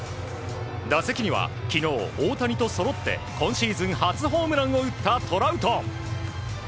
打席には昨日、大谷とそろって今シーズン初ホームランを打ったトラウト。